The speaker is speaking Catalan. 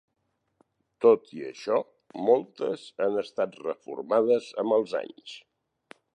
Tot i això, moltes han estat reformades amb els anys.